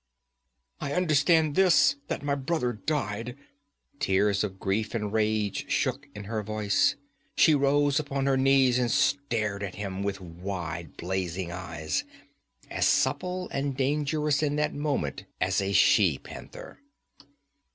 'I understand this: that my brother died!' Tears of grief and rage shook in her voice. She rose upon her knees and stared at him with wide blazing eyes, as supple and dangerous in that moment as a she panther.